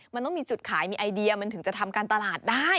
มันต้องมีจุดขายมีไอเดียมันถึงจะทำการตลาดได้